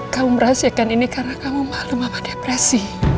kamu merahsiakan ini karena kamu malu mama depresi